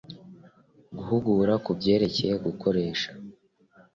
guhugura ku byerekeye gukoresha